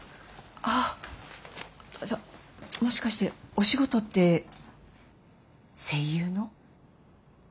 あっじゃあもしかしてお仕事って声優の？